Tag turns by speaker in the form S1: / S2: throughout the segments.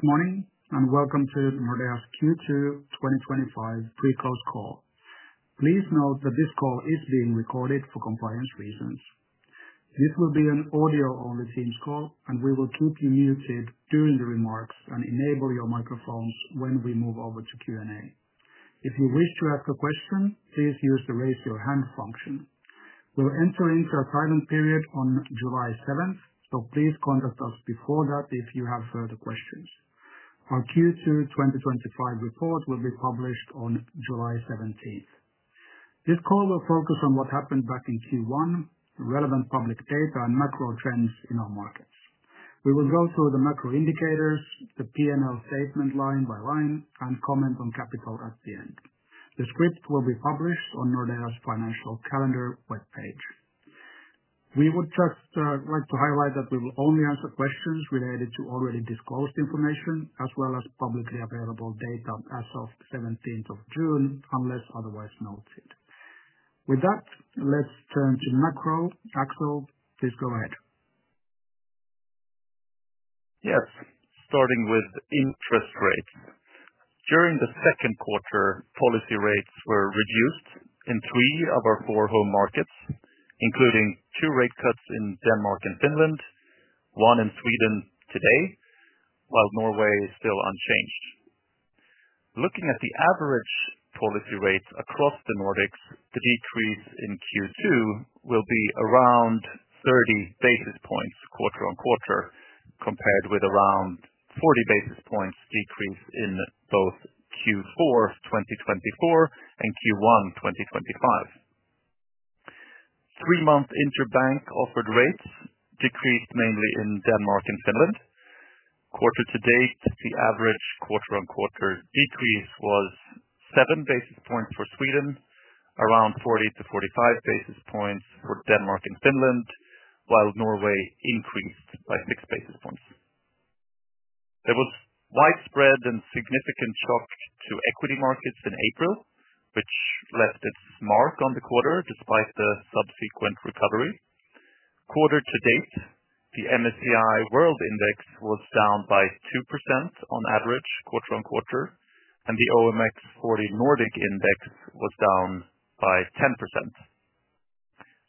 S1: Good morning and welcome to Nordea's Q2 2025 Pre Close Call. Please note that this call is being recorded for compliance reasons. This will be an audio-only Teams call and we will keep you muted during the remarks and enable your microphones when we move over to Q&A. If you wish to ask a question, please use the raise your hand function. We will enter into a silent period on July 7, so please contact us before. That if you have further questions. Our Q2 2025 report will be published on July 17th. This call will focus on what happened back in Q1, relevant public data and macro trends in our markets. We will go through the macro indicators, the P&L statement line by line and comment on capital. At the end, the script will be published on Nordea's Financial Calendar webpage. We would just like to highlight that we will only answer questions related to already disclosed information as well as publicly available data as of 17th of June unless otherwise noted. With that, let's turn to macro. Axel, please go ahead.
S2: Yes, starting with interest rates during the second quarter, policy rates were reduced in three of our four home markets, including two rate cuts in Denmark and Finland, one in Sweden today, while Norway is still unchanged. Looking at the average policy rate across the Nordics, the decrease in Q2 will be around 30 basis points quarter on quarter compared with around 40 basis points decrease in both Q4 2024 and Q1 2025. Three month interbank offered rates decreased mainly in Denmark and Finland. Quarter-to-date, the average quarter on quarter decrease was seven basis points for Sweden, around 40-45 basis points for Denmark and Finland, while Norway increased by six basis points. There was widespread and significant shock to equity markets in April, which left its mark on the quarter despite the subsequent recovery. Quarter to date the MSCI World Index was down by 2% on average quarter on quarter and the OMX 40 Nordic index was down by 10%.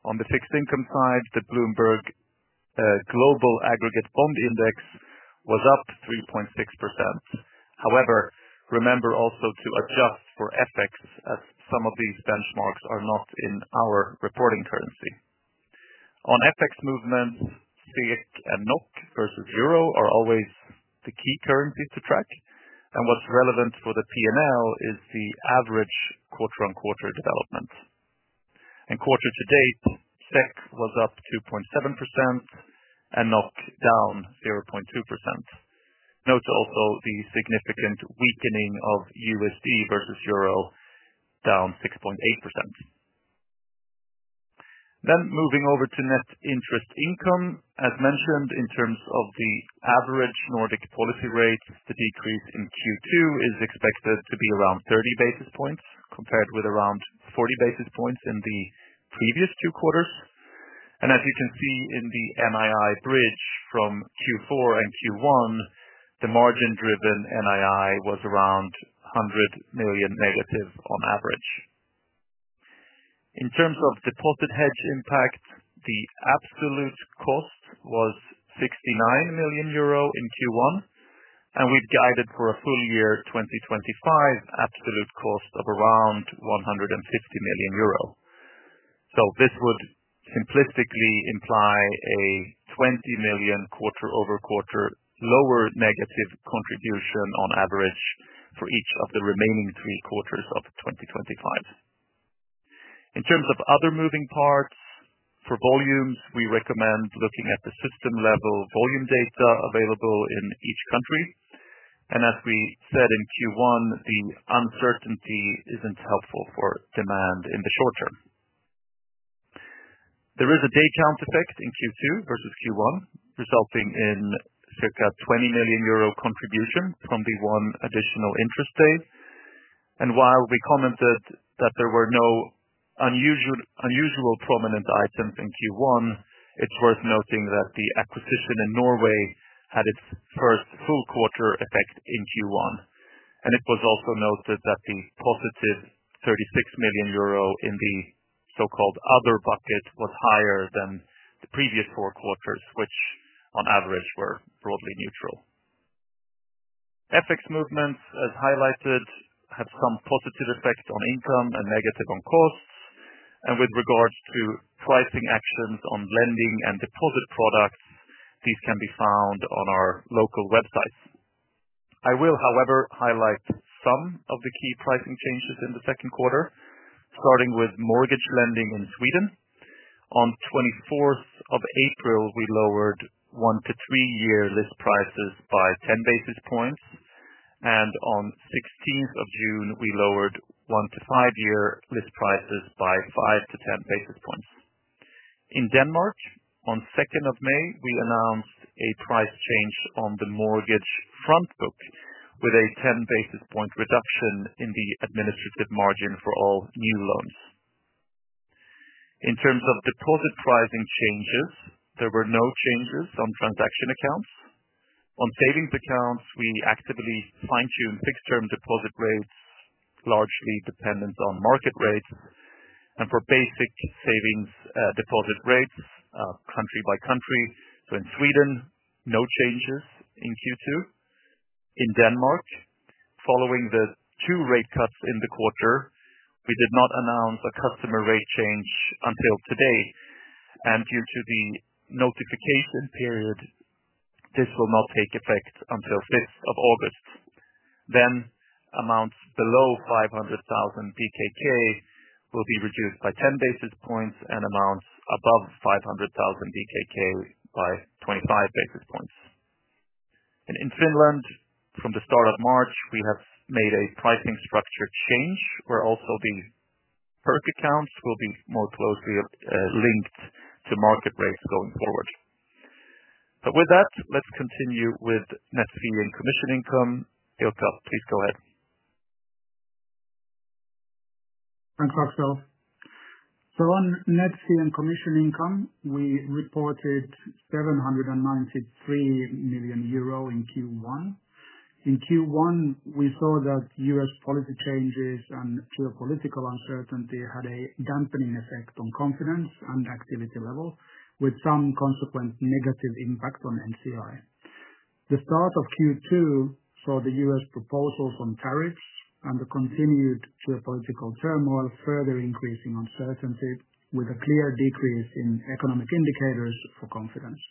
S2: On the fixed income side the Bloomberg Global Aggregate Bond index was up 3.6%. However, remember also to adjust for FX as some of these benchmarks are not in our reporting. Currency on FX movements, FIC and NOK versus EUR are always the key currencies to track and what's relevant for the P&L is the average quarter-on-quarter development and quarter to date. SEK was up 2.7% and NOK down 0.2%. Note also the significant weakening of USD versus euro, down 6.8%. Moving over to net interest income, as mentioned in terms of the average Nordic policy rate, the decrease in Q2 is expected to be around 30 basis points compared with around 40 basis points in the previous two quarters. As you can see in the NII bridge from Q4 and Q1, the margin driven NII was around 100 million negative on average. In terms of deposit hedge impact, the absolute cost was 69 million euro in Q1 and we've guided for a full year 2025 absolute cost of around 150 million euro. This would simplistically imply a 20 million quarter over quarter lower negative contribution on average for each of the remaining three quarters of 2025. In terms of other moving parts for volumes, we recommend looking at the system level volume data available in each country, and as we said in Q1, the uncertainty isn't helpful for demand in the short term. There is a day count effect in Q2 versus Q1 resulting in circa 20 million euro contribution from the one additional interest day. While we commented that there were no unusual prominent items in Q1, it's worth noting that the acquisition in Norway had its first full quarter effect in Q1, and it was also noted that the positive 36 million euro in the so-called other bucket was higher than the previous four quarters, which on average were broadly neutral. FX movements, as highlighted, have some positive effect on income and negative on costs, and with regards to pricing actions on lending and deposit products. These can be found on our local websites. I will however highlight some of the key pricing changes in the second quarter. Starting with mortgage lending in Sweden, on 24th of April we lowered one to three year list prices by 10 basis points, and on 16th of June we lowered one to five year list prices by five-10 basis points. In Denmark, on 2nd of May we announced a price change on the mortgage front book with a 10 basis point reduction in the administrative margin for all new loans. In terms of deposit pricing changes, there were no changes on transaction accounts. On savings accounts we actively fine-tuned fixed term deposit rates, largely dependent on market rates, and for basic savings deposit rates country by country. In Sweden, no changes in Q2. In Denmark, following the two rate cuts in the quarter, we did not announce a customer rate change until today, and due to the notification period, this will not take effect until 5th of August. Amounts below 500,000 will be reduced by 10 basis points, and amounts above 500,000 DKK by 25 basis points. In Finland, from the start of March, we have made a pricing structure change where also the PERC accounts will be more closely linked to market rates going forward. With that, let's continue with net fee and commission income. Jutta, please go ahead.
S1: Thanks, Axel. On net fee and commission income, we reported 793 million euro in Q1. In Q1, we saw that U.S. policy changes and geopolitical uncertainty had a dampening effect on confidence and activity level, with some consequent negative impact on NCI. The start of Q2 saw the U.S. proposals on tariffs and the continued geopolitical turmoil further increasing uncertainty, with a clear decrease in economic indicators for confidence.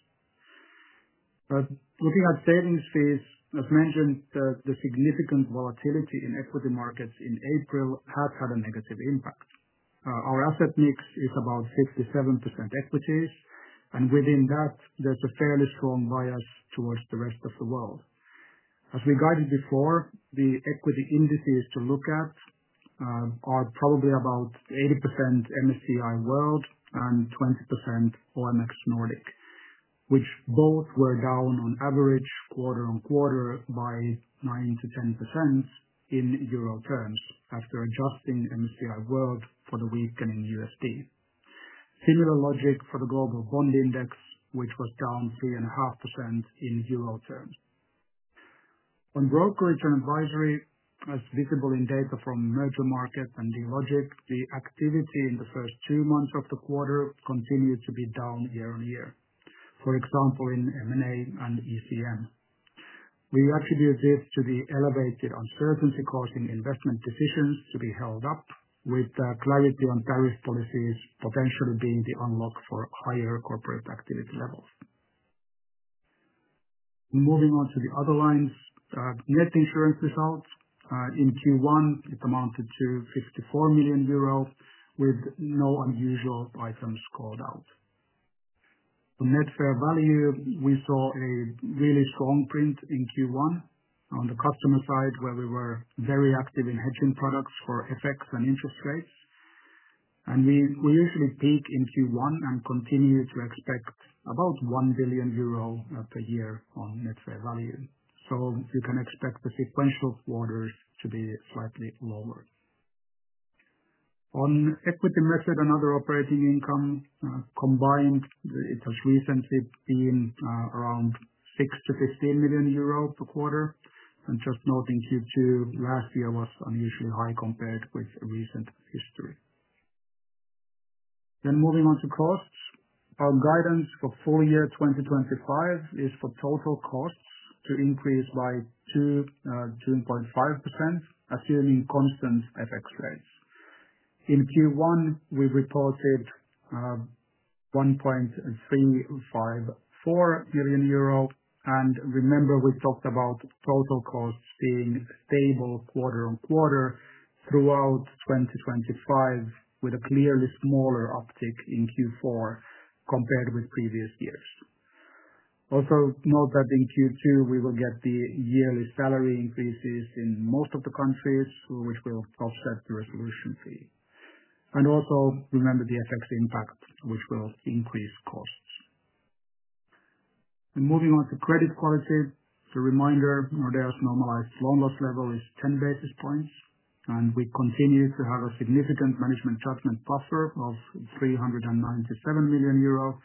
S1: Looking at savings fees, as mentioned, the significant volatility in equity markets in April has had a negative impact. Our asset mix is about 67% equities, and within that, there's a fairly strong bias towards the rest of the world. As we guided before, the equity indices to look at are probably about 80% MSCI World and 20% OMX Nordic which both were down on average quarter on quarter by 9-10% in EUR terms after adjusting MSCI World for the weakening USD. Similar logic for the Global Bond Index which was down 3.5% in EUR terms. On brokerage and advisory as visible in data from MergerMarket and Dealogic, the activity in the first two months of the quarter continued to be down year on year. For example, in M&A and ECM we attribute this to the elevated uncertainty causing investment decisions to be held up with clarity on tariff policies, potentially being the unlock for higher corporate activity levels. Moving on to the other lines, net insurance results in Q1 it amounted to 54 million euro with no unusual items called out. Net fair value we saw a really strong print in Q1 on the customer side where we were very active in hedging products for FX and interest rates and we usually peak in Q1 and continue to expect about 1 billion euro per year on net fair value. You can expect the sequential quarters to be slightly lower on equity method and other operating income combined. It has recently been around 6-15 million euro per quarter. Just note in Q2 last year was unusually high compared with recent history. Moving on to costs, our guidance for full year 2025 is for total costs to increase by 2.5% assuming constant FX rates. In Q1 we reported 1.354 million euro. Remember we talked about total costs being stable quarter on quarter throughout 2025 with a clearly smaller uptick in Q4 compared with previous years. Also note that in Q2 we will get the yearly salary increases in most of the countries which will offset the resolution fee and also remember the FX impact which will increase costs. Moving on to credit quality. Just a reminder, Nordea's normalized loan loss level is 10 basis points and we continue to have a significant management judgment buffer of 397 million euro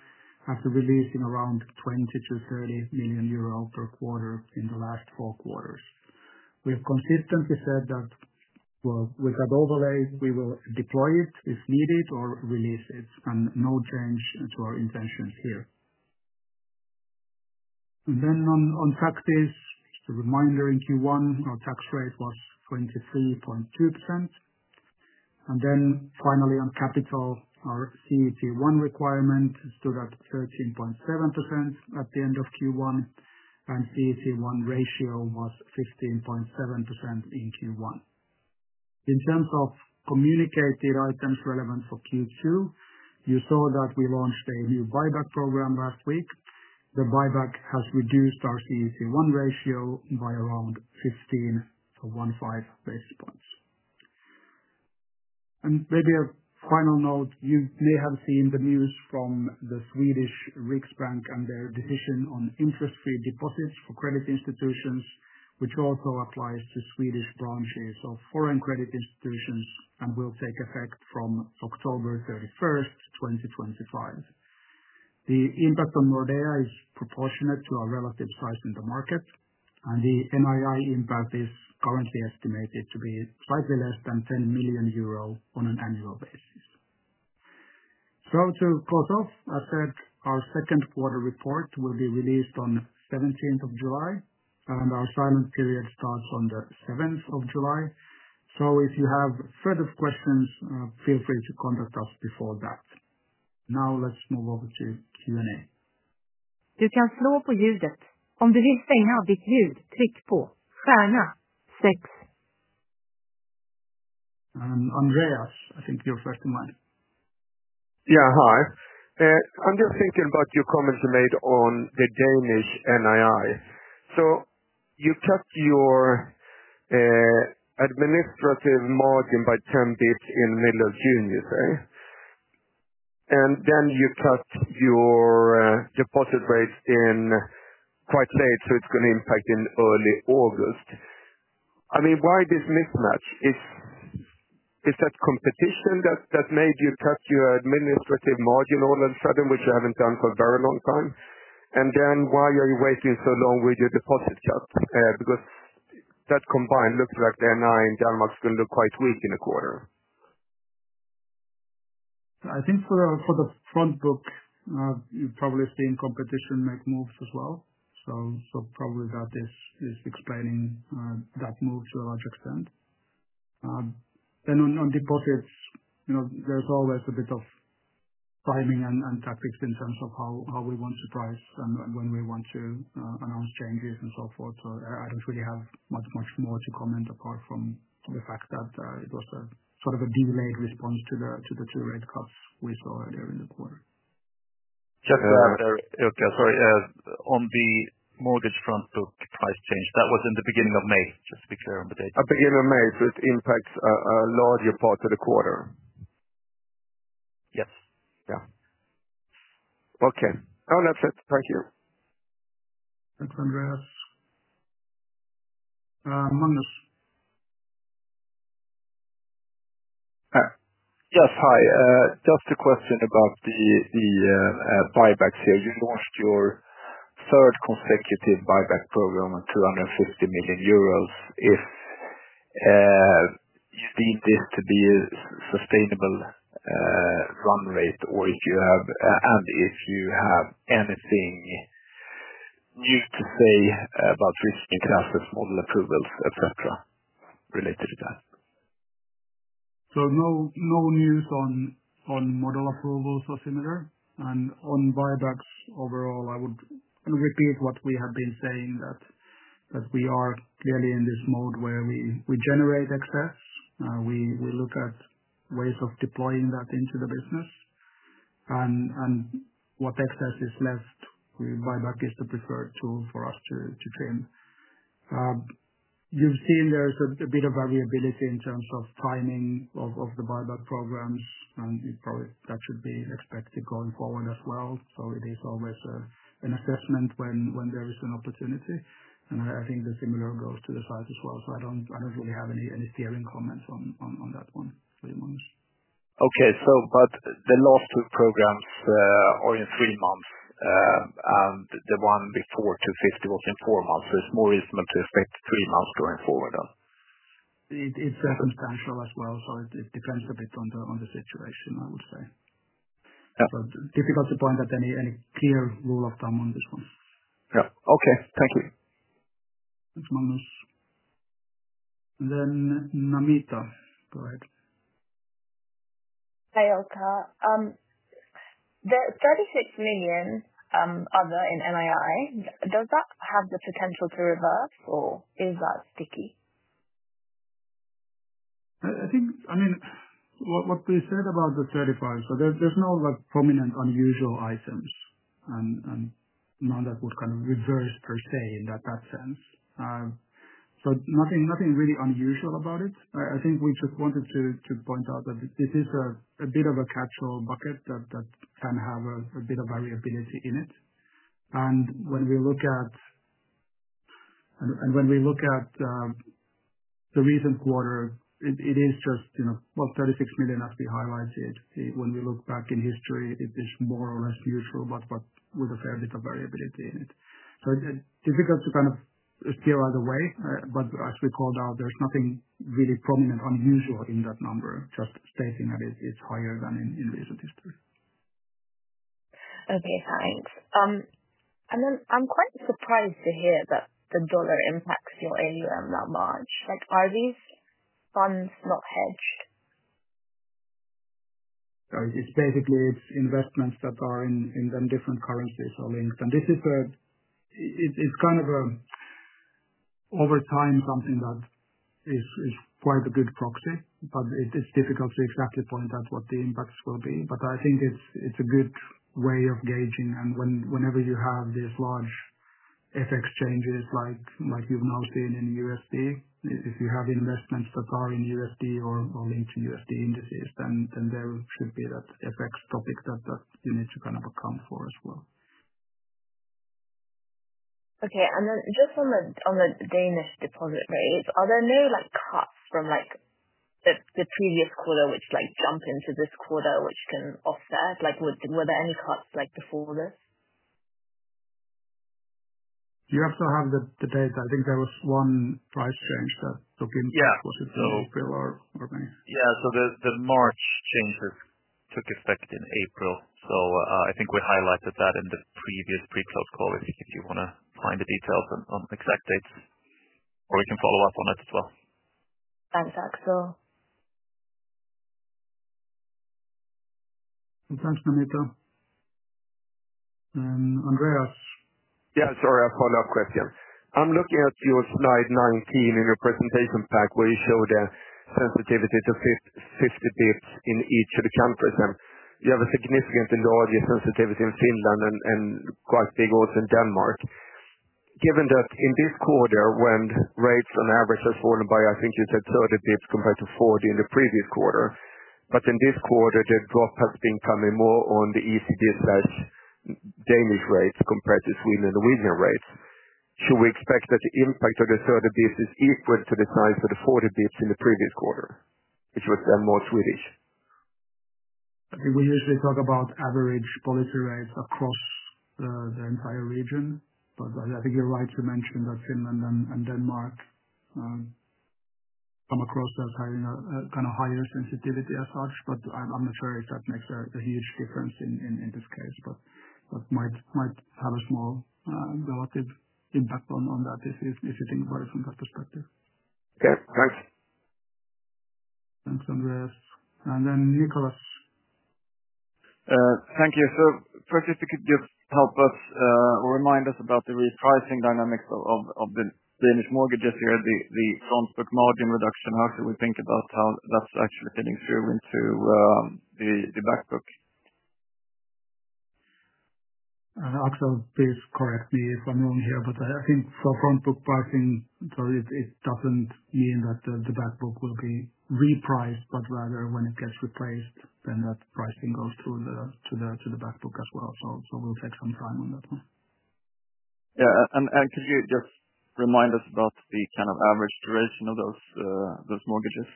S1: after releasing around 20-30 million euro per quarter in the last four quarters. We have consistently said that with that overlay we will deploy it if needed or release it. No change to our intentions here in practice. Just a reminder, in Q1 our tax rate was 23.2%. Finally, on capital, our CET1 requirement stood at 13.7% at the end of Q1 and CET1 ratio was 15.7% in Q1. In terms of communicated items relevant for Q2, you saw that we launched a new buyback program last week. The buyback has reduced our CET1 ratio by around 15-15 basis points. Maybe a final note, you may have seen the news from the Sveriges Riksbank and their decision on interest-free deposits for credit institutions, which also applies to Swedish branches of foreign credit institutions and will take effect from October 31, 2025. The impact on Nordea is proportionate to our relative size in the market and the NII impact is currently estimated to be slightly less than 10 million euro on an annual basis. To close off, I said our second quarter report will be released on 17th of July and our silent period starts on the 7th of July. If you have further questions, feel free to contact us before that. Now let's move over to Q&A. Andreas, I think you're first in line. Yeah, hi. I'm just thinking about your comments you made on the Danish NII. You cut your administrative margin by 10 basis points in the middle of June, you say, and then you cut your deposit rates in quite late, so it's going to impact in early August. I mean, why this mismatch? Is that competition that made you cut your administrative margin all of a sudden, which you haven't done for a very long time, and then why are you waiting so long with your deposit cut? Because that combined looks like the NII in Denmark's going to look quite weak in a quarter. I think for the front book, you've probably seen competition make moves as well that is explaining that move to a large extent. On deposits there's always a bit of timing and tactics in terms of how we want to price and when we want to announce changes and so forth. I do not really have much more to comment apart from the fact that it. Was a sort of a delayed response to the two rate cuts we saw earlier in the quarter. Sorry. On the mortgage front book price change, that was in the beginning of May, just to be clear on the date.
S2: At the beginning of May, this impact a larger part of the quarter. Yes. Yeah, okay. Oh, that's it. Thank you.
S1: Thanks Andreas. Yes. Hi, just a question about the buybacks here. You launched your third consecutive buyback program at 250 million euros. If you deem this to be a sustainable run rate or if you have, and if you have anything new to say about risk, new classes, model approvals et cetera related to that. No news on model approvals or similar. On buybacks overall, I would repeat what we have been saying that we are clearly in this mode where we generate excess, we look at ways of deploying that into the business and what excess is left. Buyback is the preferred tool for us to trim. You've seen there's a bit of variability. In terms of timing of the buyback programs and that should be expected going forward as well. It is always an assessment when there is an opportunity and I think the similar goes to the site as well. I do not really have any steering comments on that one. Three months. Okay, so but the last two programs. Are in three months and the one before 250 was in four months. So it's more reasonable to expect three months going forward. It's circumstantial as well. It depends a bit on the situation, I would say. Difficult to point out any clear rule of thumb on this one. Yeah.Okay, thank you. Thanks, Magnus. Then Namita, go ahead.
S3: Hi Jutta. The 36 million other in NII, does that have the potential to reverse or is that sticky?
S1: I think, I mean what we said about the 35. There is no prominent unusual items, none that would kind of reverse per se in that sense. Nothing really unusual about it. I think we just wanted to point out that this is a bit of a catch-all bucket that can have a bit of variability in it. When we look at the recent quarter, it is just, well, 36 million. As we highlighted when we look back in history, it is more or less. Neutral but with a fair bit of variability in it. Difficult to kind of steer either way. But as we called out, there's nothing really prominent unusual in that number. Just stating that it's higher than in recent history.
S3: Okay, thanks. I'm quite surprised to hear that the dollar impacts your AUM that much. Like, are these funds not hedged?
S1: Basically, it's investments that are in different currencies or links, and this is a, it's kind of over time something that is quite a good proxy, but it's. Difficult to exactly point out what the impacts will be. I think it's a good way of gauging. Whenever you have these large FX. Changes like you've now seen in USD, if you have investments that are in USD or linked to USD indices, then there should be that FX topic that you need to kind of account for as well.
S3: Okay. And then just on the Danish deposit rate, are there no cuts from like the previous quarter which like jump into this quarter which can offset, like were there any cuts like before this? You also have the data. I think there was one price change that took in. Was it April or May?
S2: Yeah. The March changes took effect in April. I think we highlighted that in the previous pre-cloud call. If you want to find the details on exact dates or we can follow up on it as well.
S3: Thanks Axel.
S1: Thanks Namita and Andreas. Yeah, sorry, a follow-up question. I'm looking at your slide 19 in your presentation pack where you show the sensitivity to 50 basis points in each of the countries and you have a significant Indoja sensitivity in Finland and quite big also in Denmark. Given that in this quarter when rates on average have fallen by I think you said 30 basis points compared to 40 in the previous quarter. In this quarter the drop has been coming more on the ECB Danish rates compared to Sweden and Norwegian rates. Should we expect that the impact of the 30 basis points is equal to the size of the 40 basis points in the previous quarter which was then more Swedish? We usually talk about average policy rates across the entire region, but I think you're right to mention that Finland and Denmark. Come across as having a kind of higher sensitivity as such. I'm not sure if that makes a huge difference in this case, but. Might have a small relative impact on. That if you think about it from that perspective. Yeah, thanks. Thanks Andreas and then Nicholas.
S4: Thank you. First, if you could just help us remind us about the repricing dynamics of the Danish mortgages here. The front book margin reduction. How should we think about how that's actually fitting through into the back book?
S1: Axel, please correct me if I'm wrong here, but I think for front book pricing it doesn't mean that the back book will be repriced, but rather when. It gets replaced, then that pricing goes to the back book as well. We'll take some time on that one.
S4: Yeah. Could you just remind us about the kind of average duration of those mortgages?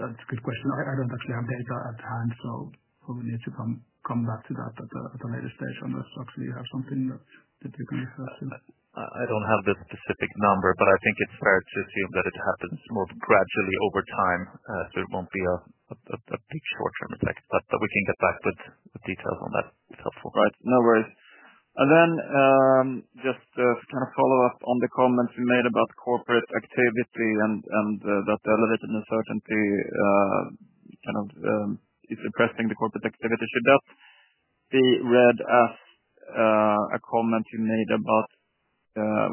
S1: That's a good question. I don't actually have data at hand, so we need to come back to that at a later stage. Unless actually you have something that you can refer to.
S2: I don't have the specific number, but I think it's fair to assume that it happens more gradually over time. It won't be a big short term effect. We can get back with details on that. It's helpful.
S4: Right, no worries. Then just kind of follow up on the comments you made about corporate activity and that elevated uncertainty kind of suppressing the corporate activity. Should that be read as a comment you made about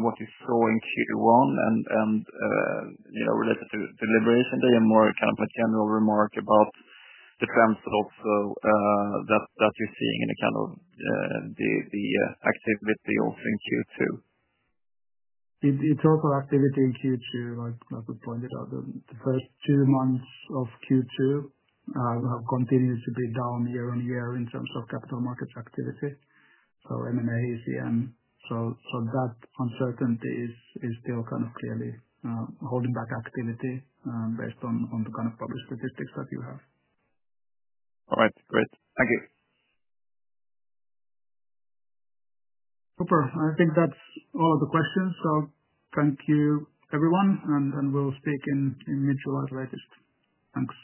S4: what you saw in Q1 and related to deliberation day and more kind of a general remark about the trends also that you're seeing in the kind of the activity also in Q2.
S1: The total activity in Q2. Like Matthew pointed out, the first two months of Q2 have continued to be down year on year in terms of capital markets activity. M&A, ECM. That uncertainty is still kind of clearly holding back activity based on the kind of public statistics that you have. All right, great. Thank you. Super. I think that's all of the questions. Thank you everyone and we'll speak.In mid July's latest. Thanks.